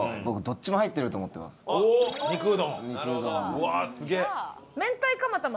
うわあすげえ！